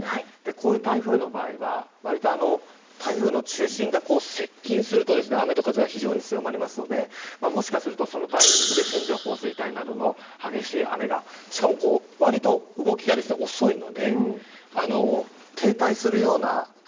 こういう台風の場合は台風の中心が接近すると雨と風が非常に強まりますのでもしかすると、そのタイミングで線状降水帯などは激しい雨がわりと動きが遅いので停滞するような形。